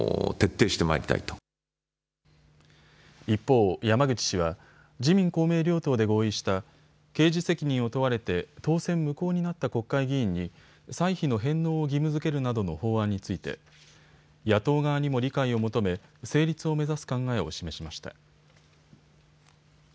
一方、山口氏は自民公明両党で合意した刑事責任を問われて当選無効になった国会議員に歳費の返納を義務づけるなどの法案について野党側にも理解を求め成立を目指す考えを示しました。